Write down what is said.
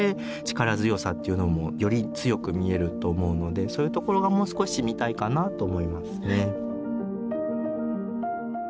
力強さっていうのもより強く見えると思うのでそういうところがもう少し見たいかなと思いますね。